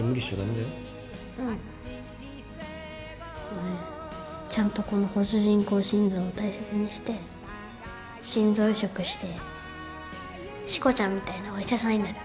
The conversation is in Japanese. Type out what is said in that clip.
俺ちゃんとこの補助人工心臓を大切にして心臓移植してしこちゃんみたいなお医者さんになる。